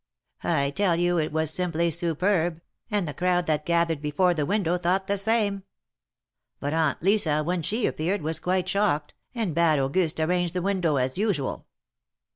I tell you it was simply superb, and the crowd that gathered before the window thought the same. But Aunt Lisa, when she appeared, was quite shocked, and bade Auguste arrange the window as usual.